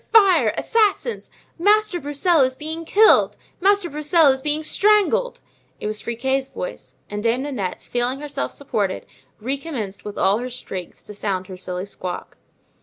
fire! assassins! Master Broussel is being killed! Master Broussel is being strangled." It was Friquet's voice; and Dame Nanette, feeling herself supported, recommenced with all her strength to sound her shrilly squawk.